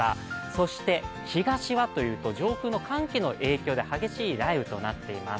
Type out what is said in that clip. そして東はというと上空の寒気の影響で激しい雷雨となっています。